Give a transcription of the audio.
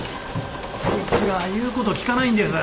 こいつが言うこと聞かないんです。